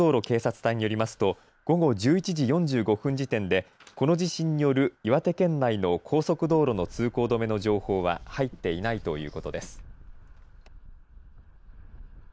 警察隊によりますと午後１１時４５分時点でこの地震による岩手県内の高速道路の通行止めの情報は入っていないということです。